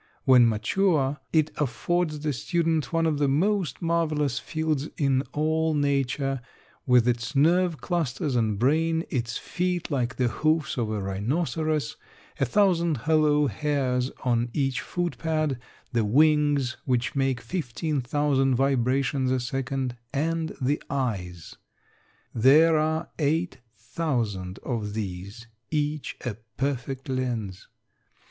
When mature it affords the student one of the most marvelous fields in all nature, with its nerve clusters and brain, its feet like the hoofs of a rhinoceros, a thousand hollow hairs on each footpad, the wings, which make 15,000 vibrations a second, and the eyes. There are 8,000 of these, each a perfect lens.